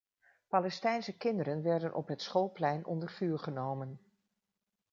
Palestijnse kinderen werden op het schoolplein onder vuur genomen.